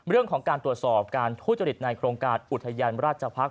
เรื่องของการตรวจสอบการทุจริตในโครงการอุทยานราชภักษ